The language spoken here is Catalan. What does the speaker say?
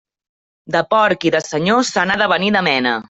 De porc i de senyor se n'ha de venir de mena.